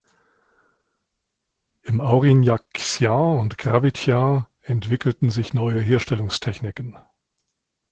Im Aurignacien und Gravettien entwickelten sich neue Herstellungstechniken.